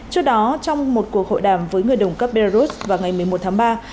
trước đó trong một cuộc hội đàm với người đồng cấp belarus vào ngày một mươi một tháng ba